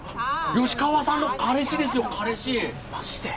吉川さんの彼氏ですよ彼氏マジで？